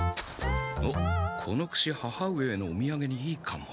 おっこのくし母上へのおみやげにいいかも。